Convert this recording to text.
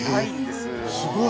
すごい。